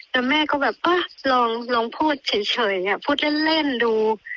แล้วแม่ก็แบบว่าลองลองพูดเฉยเฉยอย่างเงี้ยพูดเล่นเล่นดู